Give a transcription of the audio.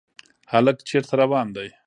هلک چېرته روان دی ؟